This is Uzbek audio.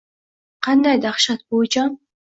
- Qanday dahshat, buvijon!